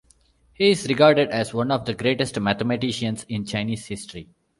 He is regarded as one of the greatest mathematicians in Chinese history.